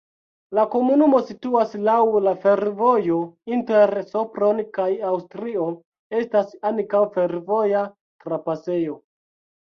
La komunumo situas laŭ la fervojo inter Sopron kaj Aŭstrio, estas ankaŭ fervoja trapasejo.